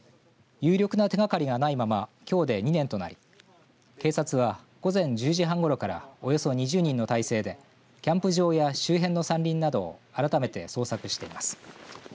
有力な手がかりがないままきょうで２年となり警察は、午前１０時半ごろからおよそ２０人の態勢でキャンプ場や周辺の山林などを改めて捜索しています。